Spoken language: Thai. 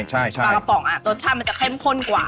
ปลากระป๋องรสชาติมันจะเข้มข้นกว่า